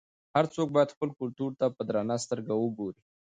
هر څوک باید خپل کلتور ته په درنه سترګه وګوري.